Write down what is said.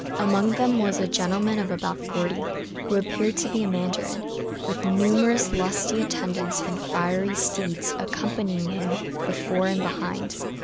Among them was a gentleman of about forty, who appeared to be a mandarin, with numerous lusty attendants and fiery steeds accompanying him before and behind.